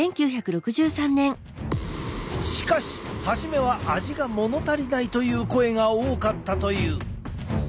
しかし初めは味がものたりないという声が多かったという。